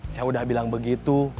saya udah bilang begitu